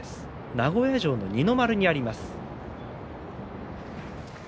名古屋城の二の丸にあります。